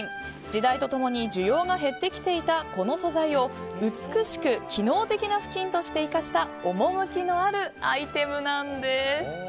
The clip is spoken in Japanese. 時代と共に需要が減ってきていたこの素材を美しく機能的なふきんとして生かした趣のあるアイテムなんです。